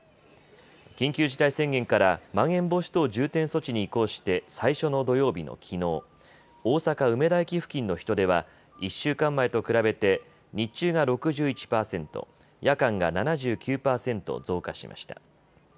緊急事態宣言からまん延防止等重点措置に移行して最初の土曜日のきのう、大阪・梅田駅付近の人出は１週間前と比べて日中が６１％、夜間が７９％増加しました。